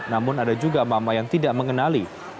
namun ada juga emak emak yang tidak mengenali